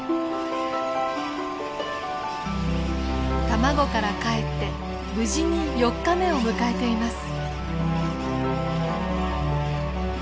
卵からかえって無事に４日目を迎えています。